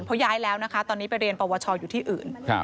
เพราะย้ายแล้วนะคะตอนนี้ไปเรียนปวชอยู่ที่อื่น